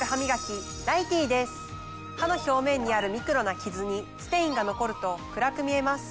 歯の表面にあるミクロなキズにステインが残ると暗く見えます。